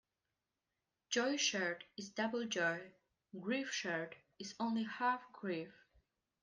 Joy shared is double joy; grief shared is only half grief.